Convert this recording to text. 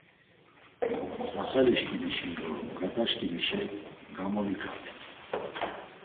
Mzaxalişǩimişen do ǩataşǩimişe gamoviǩati.